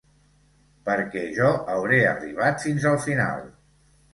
Perquè jo hauré arribat fins al final.